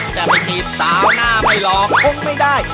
จะไปจีบสาวหน้าไม่หลอกคงไม่ได้